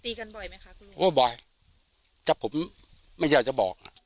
ตีกันบ่อยไหมคะครับว่าบ่อยแต่ผมไม่อยากจะบอก